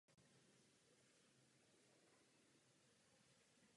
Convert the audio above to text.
Klidný a romantický ráz vsi byl v dobách budování socialismu výrazně změněn.